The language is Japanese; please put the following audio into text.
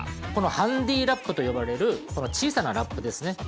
このハンディーラップと呼ばれる小さなラップですね。